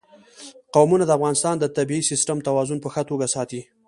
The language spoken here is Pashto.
قومونه د افغانستان د طبعي سیسټم توازن په ښه توګه ساتي.